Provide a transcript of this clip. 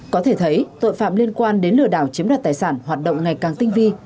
có thể thấy tội phạm liên quan đến lừa đảo chiếm đoạt tài sản hoạt động ngày càng tinh vi